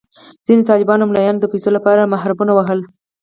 ځینو طالبانو او ملایانو د پیسو لپاره محرابونه وهل.